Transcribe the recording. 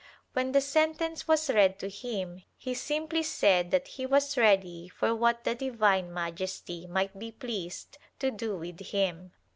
When the sentence was read to him he simply said that he was ready for what the Divine Majesty might be pleased to do with him.